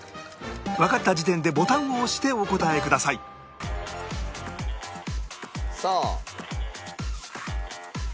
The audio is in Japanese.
わかった時点でボタンを押してお答えくださいさあ。